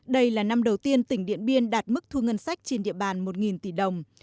đây là năm đầu tiên tỉnh điện biên đạt mức thu ngân sách trên địa bàn một tỷ đồng